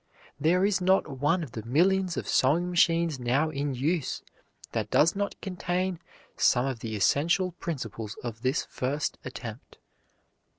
There is not one of the millions of sewing machines now in use that does not contain some of the essential principles of this first attempt.